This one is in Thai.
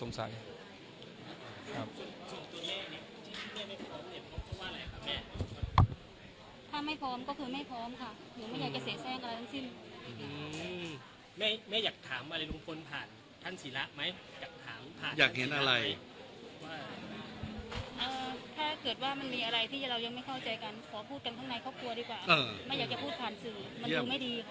แม่อยากจะพูดผ่านสื่อมันดูไม่ดี